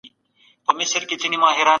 د ډبرو سکاره څنګه کارول کیږي؟